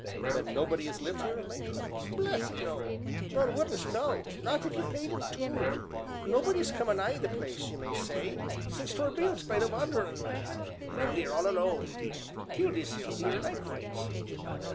"Then nobody has lived here of late?" "Bless 'ee no nor wouldn't, no, not if ye paid 'em tu. Nobody's come a nigh the place, you may say, since 't were built by the wanderin' man. Lived 'ere all alone, 'e did killed 'isself 'ere likewise."